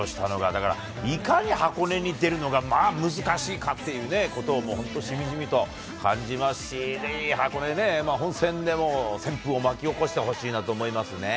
だからいかに箱根に出るのが難しいかっていうことを本当、しみじみと感じますし、箱根ね、本戦でも旋風を巻き起こしてほしいなと思いますね。